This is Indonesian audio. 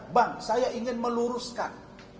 bang saya ingin meluruskan